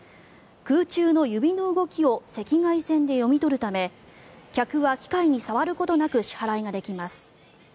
空中の指の動きを赤外線で読み取るため客は機械に触ることなく支払いができます。